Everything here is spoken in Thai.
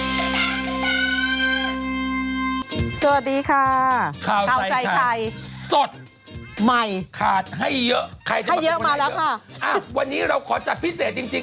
สวัสดีค่ะข้าวใส่ไข่สดใหม่ขาดให้เยอะใครได้เยอะมาแล้วค่ะอ่ะวันนี้เราขอจัดพิเศษจริงจริง